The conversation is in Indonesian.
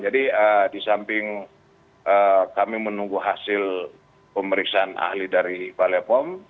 jadi di samping kami menunggu hasil pemeriksaan ahli dari palekom